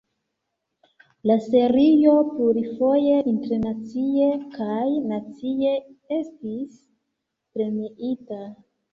La serio plurfoje internacie kaj nacie estis premiita.